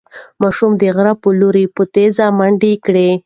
ماشوم د غره په لور په تېزۍ منډه کړه.